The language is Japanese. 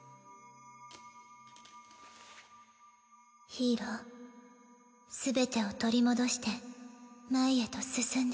ヒイロすべてを取り戻して前へと進んで。